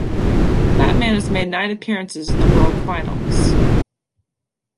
Batman has made nine appearances in the World Finals.